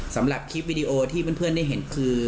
สำหรับคลิปวิดีโอที่เพื่อนได้เห็นคือ